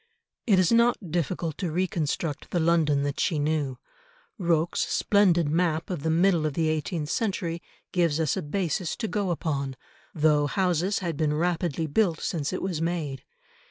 It is not difficult to reconstruct the London that she knew. Rocque's splendid map of the middle of the eighteenth century gives us a basis to go upon, though houses had been rapidly built since it was made.